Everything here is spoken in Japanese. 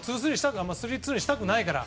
スリーツーにしたくないから。